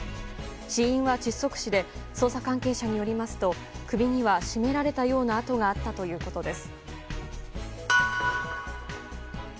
死因は窒息死で捜査関係者によりますと首には絞められたような痕があったということです。